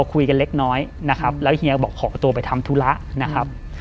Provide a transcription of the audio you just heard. คุยกันเล็กน้อยนะครับแล้วเฮียบอกขอตัวไปทำธุระนะครับ